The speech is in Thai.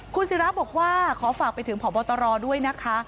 ครูสีรับบอกว่าขอฝากไปถึงห่อพรมตราล์ด้วยนะคะ